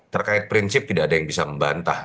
terkait prinsip tidak ada yang bisa membantah